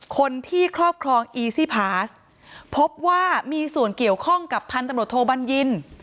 ครอบครองอีซี่พาสพบว่ามีส่วนเกี่ยวข้องกับพันธุ์ตำรวจโทบัญญิน